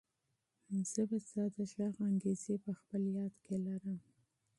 زه به ستا د غږ انګازې په خپل یاد کې لرم.